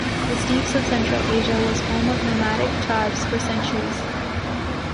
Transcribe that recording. The Steppes of Central Asia was home of nomadic tribes for centuries.